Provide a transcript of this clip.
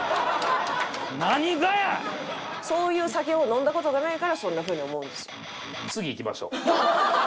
そういう酒を飲んだ事がないからそんなふうに思うんですよ。